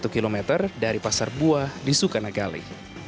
satu km dari pasar buah di sukanagali